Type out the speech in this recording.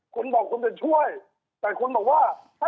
คุณบอกกาจยนท์ขับแกรมได้